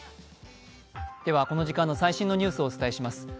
この時間の最新のニュースをお伝えします。